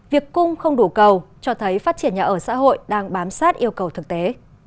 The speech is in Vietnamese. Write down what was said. việc cung không đủ cầu cho thấy phát triển nhà ở xã hội đang bám sát yêu cầu thực tế